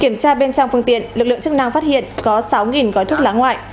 kiểm tra bên trong phương tiện lực lượng chức năng phát hiện có sáu gói thuốc lá ngoại